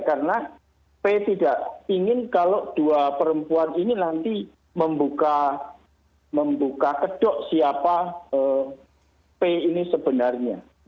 karena p tidak ingin kalau dua perempuan ini nanti membuka kedok siapa p ini sebenarnya